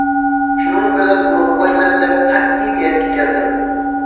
شۇنىڭ بىلەن ئورۇقلايمەن دەپ، قەتئىي نىيەتكە كەلدىم.